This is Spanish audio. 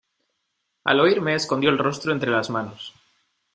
al oírme escondió el rostro entre las manos: